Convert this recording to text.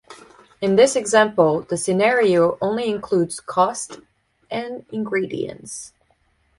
In this example, the scenario only includes cost and ingredients.